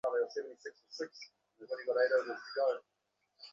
এবং তা করলেই তার বন্ধু আমাকে পছন্দ করে ফেলবে।